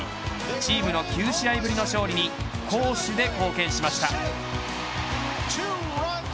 チームの９試合ぶりの勝利に攻守で貢献しました。